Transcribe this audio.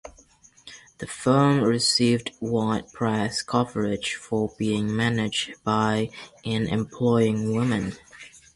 The firm received wide press coverage for being managed by and employing women.